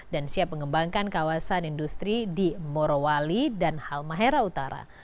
dan siap mengembangkan kawasan industri di morowali dan halmahera utara